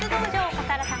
笠原さん